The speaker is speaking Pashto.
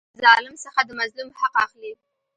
له ظالم څخه د مظلوم حق اخلي.